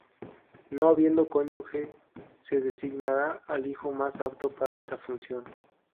No habiendo cónyuge, se designará al hijo más apto para esta función.